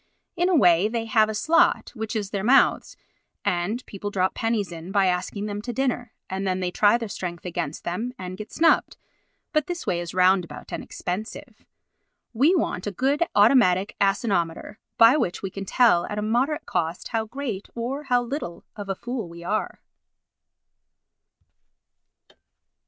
In a way they have a slot, which is their mouths, and people drop pennies in by asking them to dinner, and then they try their strength against them and get snubbed; but this way is roundabout and expensive. We want a good automatic asinometer by which we can tell at a moderate cost how great or how little of a fool we are.